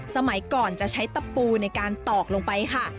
สมัยก่อนจะใช้ตะปูในการตอกลงไปค่ะ